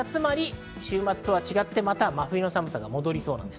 週末とは違って、また真冬の寒さが戻りそうです。